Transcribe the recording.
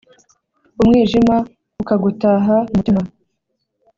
umwijima ukagutaha mu mutima